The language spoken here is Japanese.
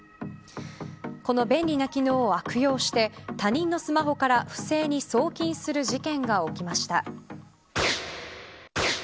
この便利な機能を悪用して他人のスマホから不正に送金する事件が起きました。